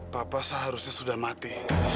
papa seharusnya sudah mati